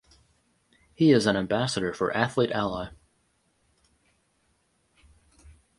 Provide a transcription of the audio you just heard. He is an ambassador for Athlete Ally.